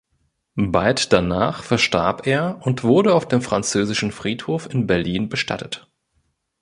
Bald danach verstarb er und wurde auf dem Französischen Friedhof in Berlin bestattet.